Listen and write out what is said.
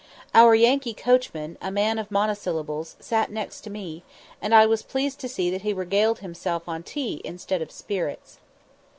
Our Yankee coachman, a man of monosyllables, sat next to me, and I was pleased to see that he regaled himself on tea instead of spirits.